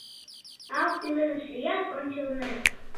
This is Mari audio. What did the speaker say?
Ал пеледыш лият ончылнем.